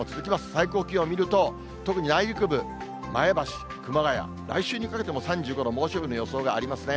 最高気温見ると、特に内陸部、前橋、熊谷、来週にかけても３５度、猛暑日の予想がありますね。